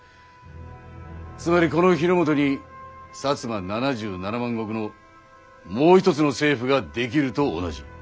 つまりこの日の本に摩７７万石のもう一つの政府が出来ると同じ。